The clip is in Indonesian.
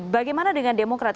bagaimana dengan demokrat